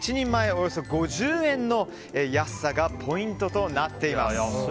およそ５０円の安さがポイントとなっています。